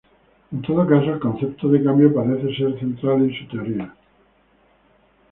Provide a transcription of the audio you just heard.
En todo caso, el concepto de cambio parece ser central en su teoría.